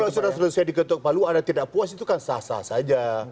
kalau sudah selesai diketok palu ada tidak puas itu kan sah sah saja